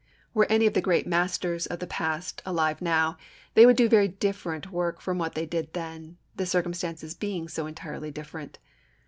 Were any of the great masters of the past alive now, they would do very different work from what they did then, the circumstances being so entirely different.